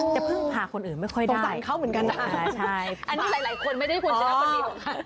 จะพึ่งพาคนอื่นไม่ค่อยได้ใช่อันนี้หลายคนไม่ได้คุณชนะคนเดียว